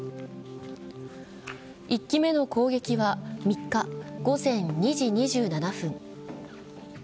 １機目の攻撃は３日午前２時２７分。